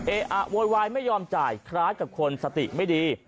เออะโวยวายไม่ยอมจ่ายคล้ายกับคนสติไม่ดี